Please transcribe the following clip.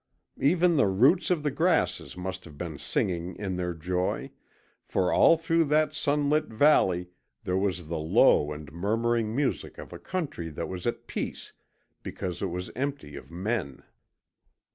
Even the roots of the grasses must have been singing in their joy, for all through that sunlit valley there was the low and murmuring music of a country that was at peace because it was empty of men.